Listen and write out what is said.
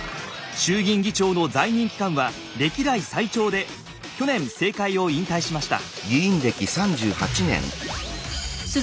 衆議院議長の在任期間は歴代最長で去年政界を引退しました。